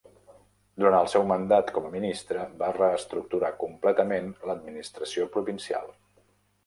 Durant el seu mandat com a ministre, va reestructurar completament l'administració provincial.